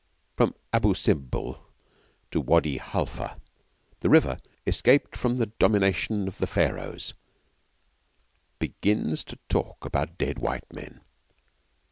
From Abu Simbel to Wady Halfa the river, escaped from the domination of the Pharaohs, begins to talk about dead white men.